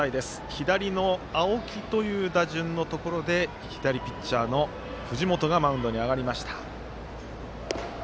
左の青木という打順のところで左ピッチャーの藤本がマウンドに上がりました。